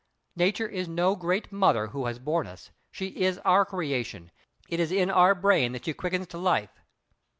"Nature is no great Mother who has borne us. She is our creation. It is in our brain that she quickens to life."